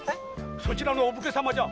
そちらのお武家様じゃ。